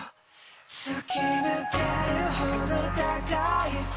「突き抜けるほど高い空に」